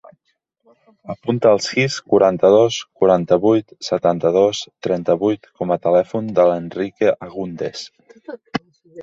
Apunta el sis, quaranta-dos, quaranta-vuit, setanta-dos, trenta-vuit com a telèfon de l'Enrique Agundez.